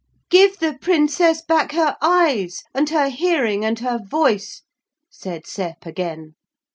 'Give the Princess back her eyes and her hearing and her voice,' said Sep again.